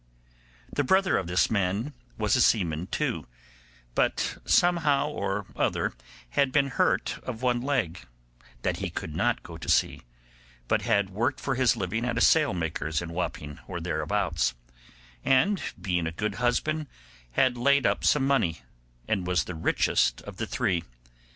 The brother of this man was a seaman too, but somehow or other had been hurt of one leg, that he could not go to sea, but had worked for his living at a sailmaker's in Wapping, or thereabouts; and being a good husband, had laid up some money, and was the richest of the three.